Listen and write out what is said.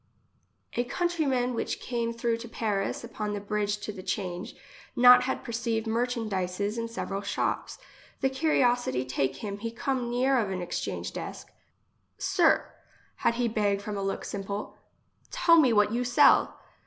A countryman which came through to Paris upon the bridge to the change, not had perceived merchandises in several shops. The curiosity take him, he come near of a exchange desk :—" Sir, had he beg from a look simple, tell me what you sell."